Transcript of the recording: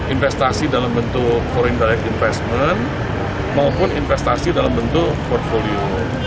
investasi dalam bentuk foreig dive investment maupun investasi dalam bentuk portfolio